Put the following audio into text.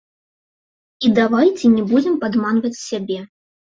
І давайце не будзем падманваць сябе.